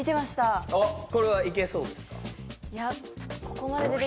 あっこれはいけそうですか